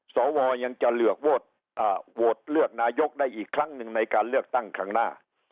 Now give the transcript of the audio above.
สวยังจะเลือกโหวตเลือกนายกได้อีกครั้งหนึ่งในการเลือกตั้งครั้งหน้า